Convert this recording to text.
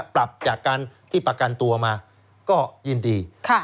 ปรับจากการที่ประกันตัวมาก็ยินดี